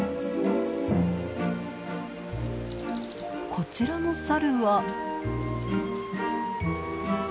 こちらのサルは。